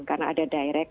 karena ada direct